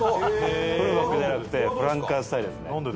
フルバックじゃなくてフランカーしたいですね。